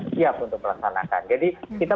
siap untuk melaksanakan jadi kita